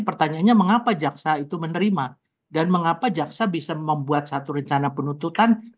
pertanyaannya mengapa jaksa itu menerima dan mengapa jaksa bisa membuat satu rencana penuntutan